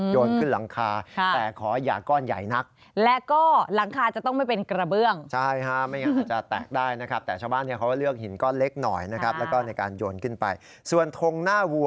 โยนขึ้นหลังคาแต่ขออย่าก้อนใหญ่นัก